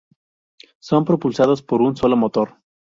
Son propulsados por un solo motor.